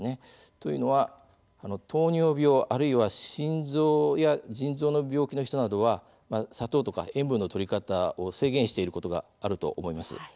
というのは糖尿病あるいは心臓や腎臓の病気の人などは砂糖とか塩分のとり方を制限していることがあると思います。